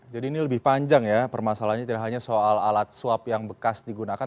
jadi ini lebih panjang ya permasalahannya tidak hanya soal alat swab yang bekas digunakan